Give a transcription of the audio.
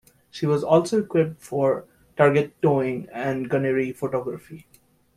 She was also equipped for target towing and gunnery photography.